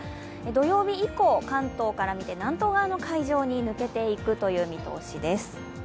土曜日以降、関東から見て南東側の海上に抜けていくという見通しです。